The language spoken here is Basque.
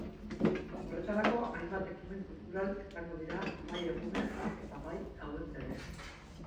Horretarako, hainbat ekimen kultural izango dira bai egunez eta bai gauez ere.